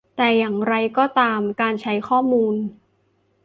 แต่อย่างไรก็ตามการใช้ข้อมูล